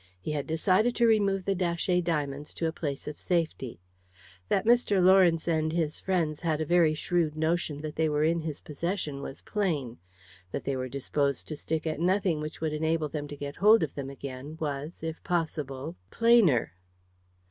He had decided to remove the Datchet diamonds to a place of safety. That Mr. Lawrence and his friends had a very shrewd notion that they were in his possession was plain; that they were disposed to stick at nothing which would enable them to get hold of them again was, if possible, plainer.